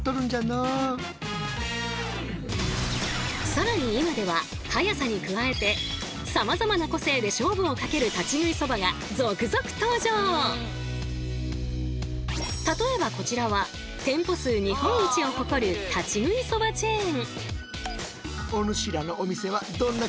更に今では早さに加えて例えばこちらは店舗数日本一を誇る立ち食いそばチェーン。